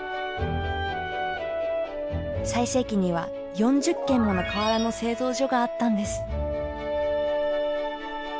最盛期には４０軒もの瓦の製造所があったんです。